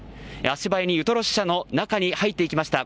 足早にウトロ支所の中に入っていきました。